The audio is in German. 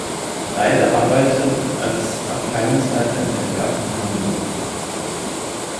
Beide arbeite als Abteilungsleiter in der Werft in Hamburg.